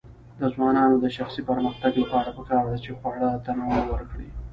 د ځوانانو د شخصي پرمختګ لپاره پکار ده چې خواړه تنوع ورکړي.